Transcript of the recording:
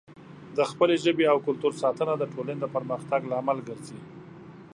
د خپلې ژبې او کلتور ساتنه د ټولنې د پرمختګ لامل ګرځي.